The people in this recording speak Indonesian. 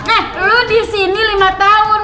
eh lu di sini lima tahun